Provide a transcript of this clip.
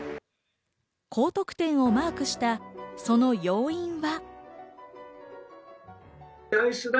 高得点をマークした、その要因は。